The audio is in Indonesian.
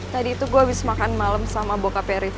tadi itu gue abis makan malem sama bokapnya rifqi